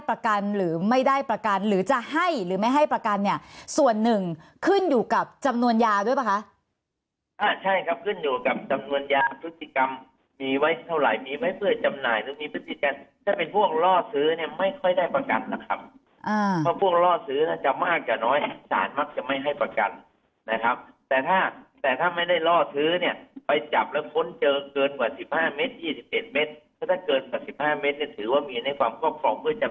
ประกันหรือไม่ได้ประกันหรือจะให้หรือไม่ให้ประกันเนี่ยส่วนหนึ่งขึ้นอยู่กับจำนวนยาด้วยป่ะคะใช่ครับขึ้นอยู่กับจำนวนยาพฤติกรรมมีไว้เท่าไหร่มีไว้เพื่อจำหน่ายมีพฤติกรรมถ้าเป็นพวกล่อซื้อไม่ค่อยได้ประกันนะครับพวกล่อซื้อจะมากจะน้อยสารมักจะไม่ให้ประกันนะครับแต่ถ้าแต่ถ้าไม่ได้ล